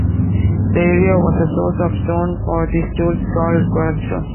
The area was a source of stone for these tools, called quern-stones.